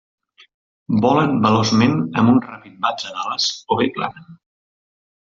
Volen veloçment, amb un ràpid batre d'ales, o bé planen.